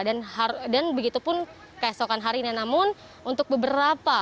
dan begitu pun keesokan hari ini namun untuk beberapa